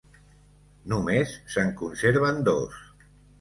Només se'n conserven dos.